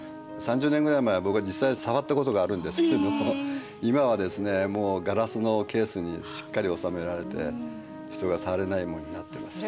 ３０年ぐらい前僕は実際触ったことがあるんですけども今はですねもうガラスのケースにしっかり収められて人が触れないようになってます。